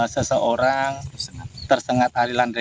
seseorang tersengat alilan